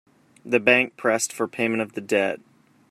The bank pressed for payment of the debt.